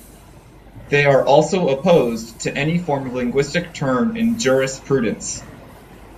They are also opposed to any form of linguistic turn in jurisprudence.